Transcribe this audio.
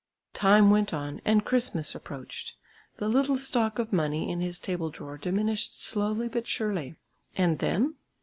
Time went on, and Christmas approached. The little stock of money in his table drawer diminished slowly but surely. And then?